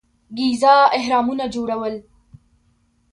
ګیزا اهرامونه جوړول.